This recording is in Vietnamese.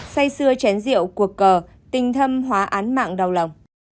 say xưa chén rượu cuộc cờ tình thâm hóa án mạng đau lòng